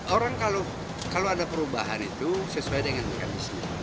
orang kalau ada perubahan itu sesuai dengan mekanisme